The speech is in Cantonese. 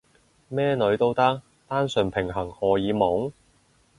咩女都得？單純平衡荷爾蒙？